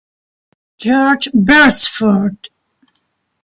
George Beresford